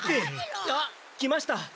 あっ来ました。